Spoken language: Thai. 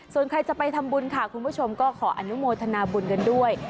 ส่วนใครจะไปทำบุญค่ะคุณผู้ชมก็ขออนุโมทนาบุญกันด้วย